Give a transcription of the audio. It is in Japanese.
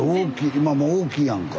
今もう大きいやんか。